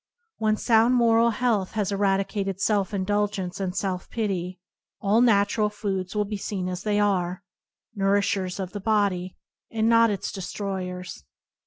When sound moral health has eradicated self indulgence and self pity, all natural foods will be seen as they are — nourishers of the body, and not its de stroyers.